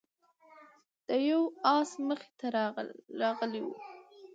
د یو آس مخې ته راغلی و،